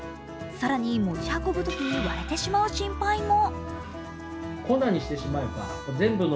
更に、持ち運ぶときに割れてしまう心配も。